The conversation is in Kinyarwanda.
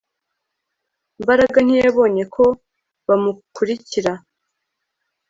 Mbaraga ntiyabonye ko bamukurikira